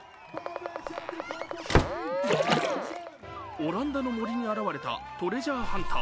オランダの森に現れたトレジャーハンター。